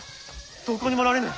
どこにもおられぬ。